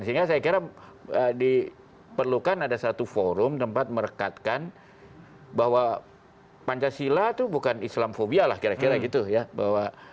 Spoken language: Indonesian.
sehingga saya kira diperlukan ada satu forum tempat merekatkan bahwa pancasila itu bukan islamfobia lah kira kira gitu ya